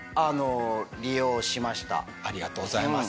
ありがとうございます。